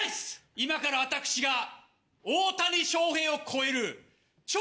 今から私が大谷翔平を超える超